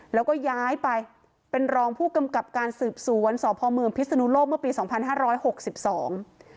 แล้วก็ย้ายไปเป็นรองผู้กำกับการสืบสวนสพเมืองพิศนุโลกเมื่อปีสองพันห้าร้อยหกสิบสอง